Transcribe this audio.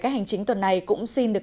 cách hành chính tuần này cũng xin được